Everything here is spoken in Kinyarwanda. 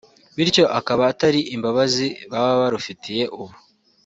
bityo akaba atari imbabazi baba barufitiye ubu